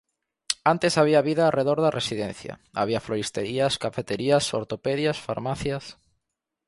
Antes había vida arredor da Residencia: había floristerías, cafeterías, ortopedias, farmacias...